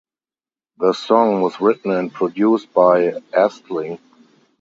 The song was written and produced by Astley.